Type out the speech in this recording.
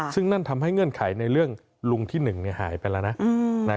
ซึ่งนั่นทำให้เงื่อนไขในเรื่องลุงที่๑หายไปแล้วนะ